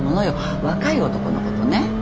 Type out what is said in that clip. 若い男の子とね。